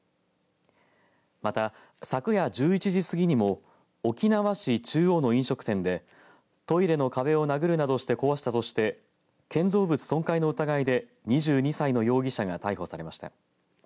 また昨夜１１時過ぎにも沖縄市中央の飲食店でトイレの壁を殴るなどして壊したとして建造物損壊の疑いで２２歳の容疑者が逮捕されました。